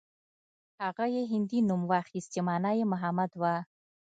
هغه يې هندي نوم واخيست چې مانا يې محمد و.